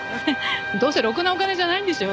どうせろくなお金じゃないんでしょ？